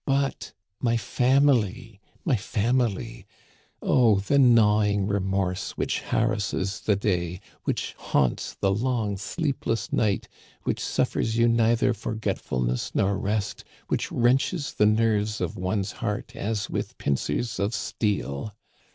But my family ! my family I Oh, the gnawing remorse which harrasses the day, which haunts the long sleepless night, which suffers you neither forgetfulness nor rest, which wrenches the nerves of one's heart as v/ith pincers of steel